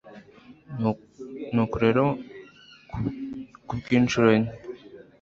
nuko rero ku bw'incuro nke